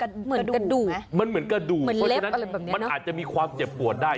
มันเหมือนกระดูกไหมมันเหมือนกระดูกเพราะฉะนั้นมันอาจจะมีความเจ็บปวดได้